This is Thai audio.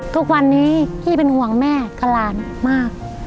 ทุกวันนี้พี่เป็นห่วงแม่กับหลานมาก